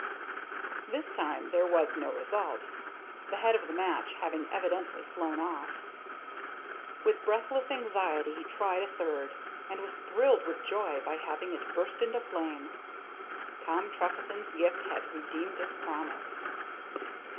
This time there was no result, the head of the match having evidently flown off. With breathless anxiety he tried a third, and was thrilled with joy by having it burst into flame. Tom Trefethen's gift had redeemed its promise.